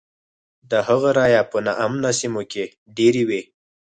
د هغه رایې په نا امنه سیمو کې ډېرې وې.